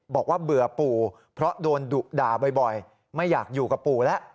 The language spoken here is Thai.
เบื่อปู่เพราะโดนดุด่าบ่อยไม่อยากอยู่กับปู่แล้ว